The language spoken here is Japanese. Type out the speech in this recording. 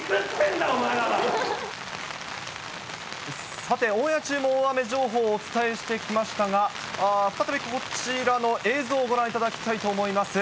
さて、オンエア中も大雨情報をお伝えしてきましたが、再び、こちらの映像をご覧いただきたいと思います。